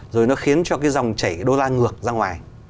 rồi nó khiến cho cái dòng chảy đô la ngược ra ngoài